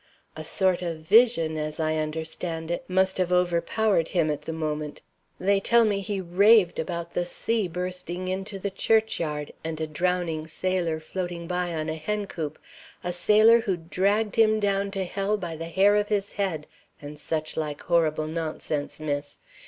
A sort of vision (as I understand it) must have overpowered him at the moment. They tell me he raved about the sea bursting into the church yard, and a drowning sailor floating by on a hen coop; a sailor who dragged him down to hell by the hair of his head, and such like horrible nonsense, miss.